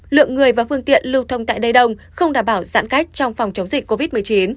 lượng người và phương tiện lưu thông tại đây đông không đảm bảo giãn cách trong phòng chống dịch covid một mươi chín